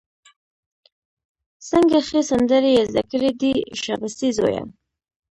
څنګه ښې سندرې یې زده کړې دي، شابسي زویه!